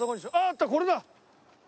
あっこれだ！